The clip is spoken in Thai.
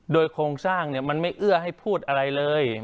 โดยโครงสร้างมันไม่เอื้อให้พูดอะไรเลย